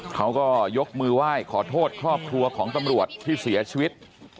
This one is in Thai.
เขาก็ยกมือไหว้ขอโทษครอบครัวของตำรวจที่เสียชีวิต